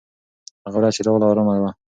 هغه ورځ چې راغله، ارامه وه.